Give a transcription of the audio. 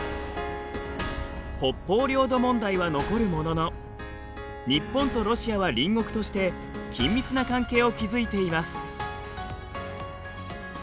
北方領土問題は残るものの日本とロシアは隣国として緊密な関係を築いています。